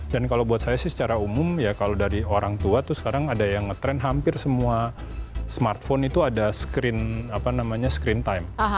dan kalau buat saya sih secara umum ya kalau dari orang tua tuh sekarang ada yang nge trend hampir semua smartphone itu ada screen time